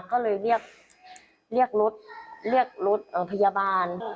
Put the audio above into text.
ก็เลยเรียกรถพยาบาล